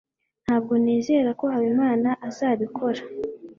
Ntabwo nizeraga ko Habimana azabikora.